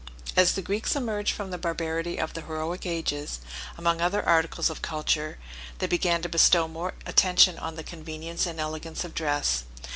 As the Greeks emerged from the barbarity of the heroic ages, among other articles of culture, they began to bestow more attention on the convenience and elegance of dress.